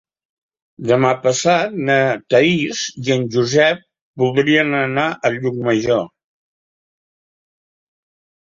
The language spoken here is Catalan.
Demà passat na Thaís i en Josep voldrien anar a Llucmajor.